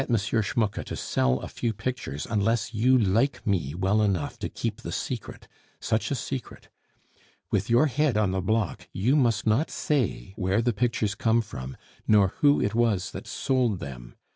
Schmucke to sell a few pictures unless you like me well enough to keep the secret such a secret! With your head on the block, you must not say where the pictures come from, nor who it was that sold them.